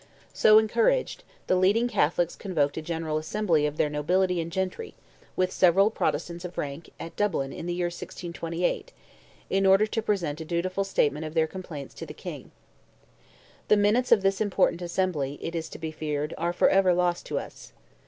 So encouraged, the leading Catholics convoked a General Assembly of their nobility and gentry, "with several Protestants of rank," at Dublin, in the year 1628, in order to present a dutiful statement of their complaints to the King. The minutes of this important Assembly, it is to be feared, are for ever lost to us.